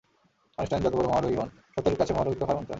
Einstein যত বড় মহারথীই হোন, সত্যের কাছে মহারথীকেও হার মানতে হয়।